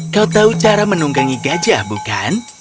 kau tahu cara menunggangi gajah bukan